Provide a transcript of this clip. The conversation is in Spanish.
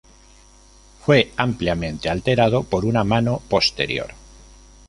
Fue ampliamente alterado por una mano posterior.